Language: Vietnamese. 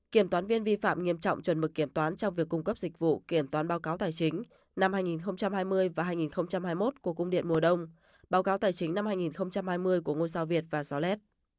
kiểm toán viên vi phạm nghiêm trọng chuẩn mực kiểm toán trong việc cung cấp dịch vụ kiểm toán báo cáo tài chính năm hai nghìn hai mươi và hai nghìn hai mươi một của cung điện mùa đông báo cáo tài chính năm hai nghìn hai mươi của ngô giao việt và gior leste